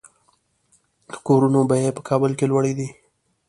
د کورونو بیې په کابل کې لوړې دي